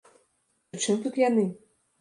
Пры чым тут яны?